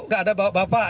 gak ada bapak bapak